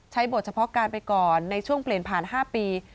บทเฉพาะการไปก่อนในช่วงเปลี่ยนผ่าน๕ปี